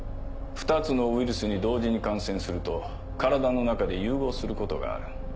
２つのウイルスに同時に感染すると体の中で融合することがある。